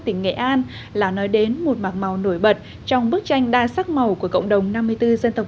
tỉnh nghệ an là nói đến một mạc màu nổi bật trong bức tranh đa sắc màu của cộng đồng năm mươi bốn dân tộc